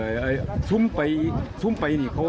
ยังไม่ปลูกทางของมียานั้น